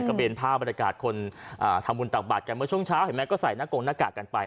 กระเบนผ้าบริการคนทำบุญต่างบัตรกันเมื่อช่วงเช้าเห็นไหมก็ใส่หน้ากงหน้ากากกันไป